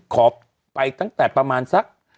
ขอไปตั้งแต่ประมาณสัก